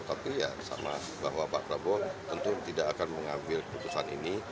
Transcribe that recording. tapi ya sama bahwa pak prabowo tentu tidak akan mengambil keputusan ini